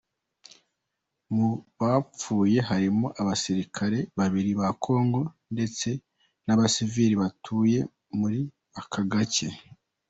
Mu bapfuye harimo abasirikare babiri ba Congo, ndetse n’abasivili batuye muri aka gace.